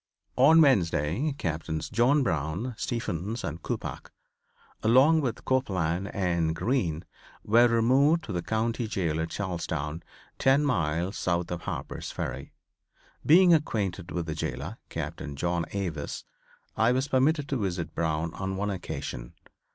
On Wednesday Captains John Brown, Stephens and Coppoc, along with Copeland and Green, were removed to the county jail at Charlestown, ten miles south of Harper's Ferry. Being acquainted with the jailor, Captain John Avis, I was permitted to visit Brown on one occasion.